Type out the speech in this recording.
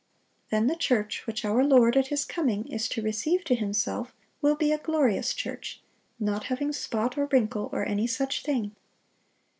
(700) Then the church which our Lord at His coming is to receive to Himself will be "a glorious church, not having spot, or wrinkle, or any such thing."